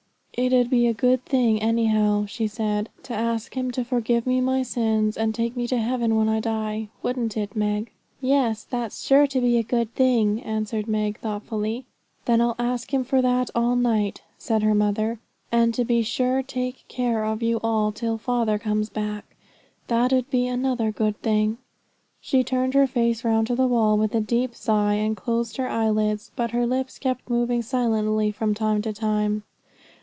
'It 'ud be a good thing anyhow,' she said, 'to ask Him to forgive me my sins, and take me to heaven when I die wouldn't it, Meg?' Yes, that's sure to be a good thing,' answered Meg thoughtfully. 'Then I'll ask Him for that all night,' said her mother, 'and to be sure take care of you all till father comes back. That 'ud be another good thing.' She turned her face round to the wall with a deep sigh, and closed her eyelids, but her lips kept moving silently from time to time.